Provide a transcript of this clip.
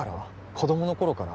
子供の頃から？